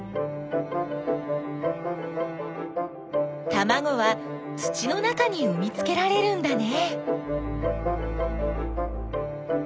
たまごは土の中にうみつけられるんだね。